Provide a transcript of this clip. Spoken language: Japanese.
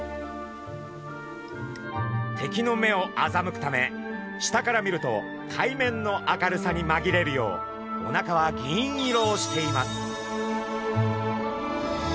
敵の目をあざむくため下から見ると海面の明るさにまぎれるようおなかは銀色をしています。